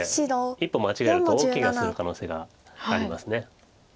一歩間違えると大けがする可能性があります。